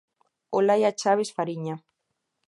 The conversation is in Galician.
Olaia Chaves Fariña.